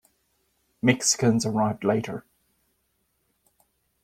Mexicans arrived later.